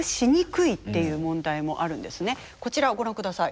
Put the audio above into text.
こちらをご覧ください。